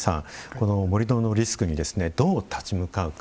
この盛土のリスクにどう立ち向かうか。